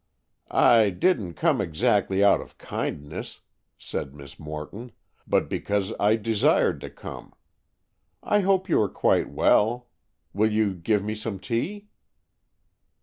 "I didn't come exactly out of kindness," said Miss Morton, "but because I desired to come. I hope you are quite well. Will you give me some tea?"